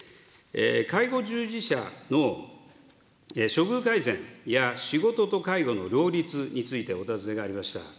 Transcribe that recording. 介護従事者の処遇改善や仕事と介護の両立についてお尋ねがありました。